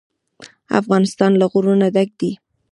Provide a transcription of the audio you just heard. افغانستان له غرونه ډک دی.